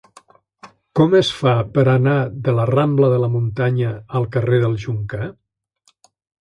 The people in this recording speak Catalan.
Com es fa per anar de la rambla de la Muntanya al carrer del Joncar?